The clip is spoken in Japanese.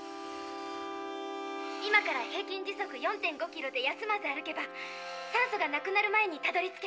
今から平均時速４．５キロで休まず歩けば酸素がなくなる前にたどりつけます。